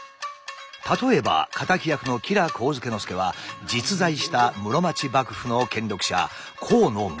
例えば敵役の吉良上野介は実在した室町幕府の権力者高師直に。